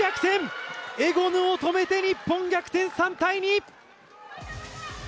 エゴヌを止めて日本逆転。